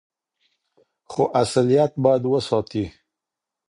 خو اصليت بايد وساتي.